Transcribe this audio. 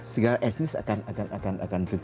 segala etnis akan